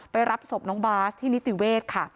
รับศพน้องบาสที่นิติเวศค่ะ